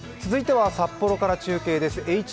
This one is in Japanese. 続いては札幌から中継です。